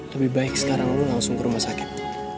lebih baik sekarang lo langsung ke rumah sakit